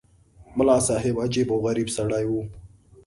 ملا صاحب عجیب او غریب سړی وو.